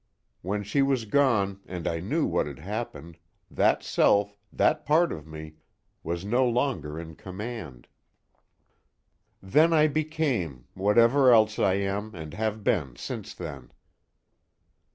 When she was gone, and I knew what had happened, that self, that part of me, was no longer in command. Then I became whatever else I am, and have been since then.